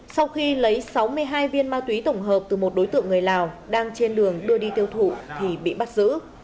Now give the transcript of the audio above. sau khi lấy sáu mươi hai viên ma túy tổng hợp từ một đối tượng người lào đang trên đường đưa đi tiêu thụ thì bị bắt giữ